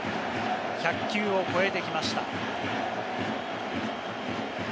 １００球を超えてきました。